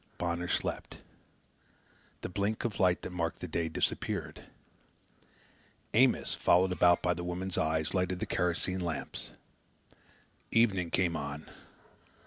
Bonner slept. The blink of light that marked the day disappeared. Amos, followed about by the woman's eyes, lighted the kerosene lamps. Evening came on.